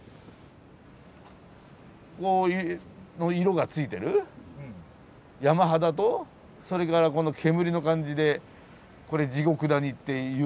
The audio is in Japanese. こういう色がついてる山肌とそれからこの煙の感じでこれ地獄谷っていうんでしょうね。